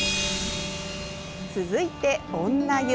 続いて女湯。